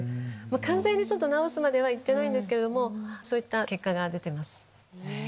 完全に治すまでは行ってないんですけれどもそういった結果が出てます。